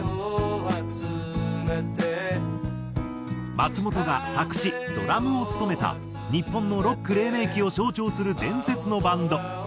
松本が作詞ドラムを務めた日本のロック黎明期を象徴する伝説のバンドはっぴいえんど。